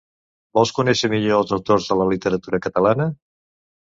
Vols conèixer millor els autors de la literatura catalana?